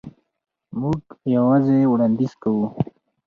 موږ یوازې وړاندیز کوو.